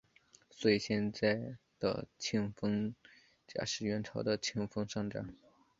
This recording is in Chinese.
所以现在的庆丰闸是元朝的庆丰上闸。